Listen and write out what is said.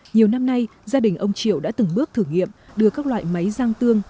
nhiều năm nay gia đình ông triệu đã từng bước thử nghiệm đưa các loại máy rang tương